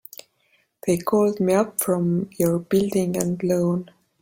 They called me up from your Building and Loan.